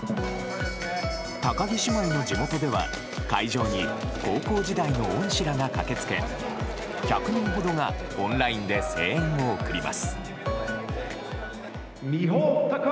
高木姉妹の地元では、会場に高校時代の恩師らが駆けつけ、１００人ほどがオンラインで声援を送ります。